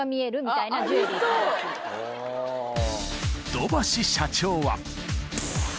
［土橋社長は］